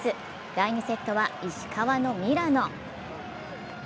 第２セットは石川のミラノ。